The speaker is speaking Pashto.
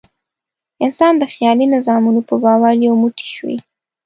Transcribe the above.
انسان د خیالي نظامونو په باور یو موټی شوی.